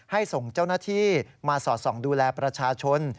ส่งเจ้าหน้าที่มาสอดส่องดูแลประชาชน